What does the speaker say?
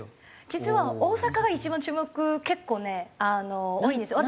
実は大阪が一番注目結構ね多いんですよ。